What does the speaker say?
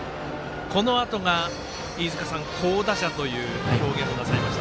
このあとが飯塚さんが好打者と表現をなさいました